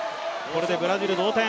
これでブラジル同点。